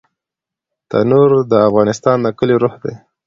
تنور د افغانستان د کليو روح دی